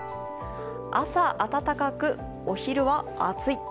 朝暖かく、お昼は暑い。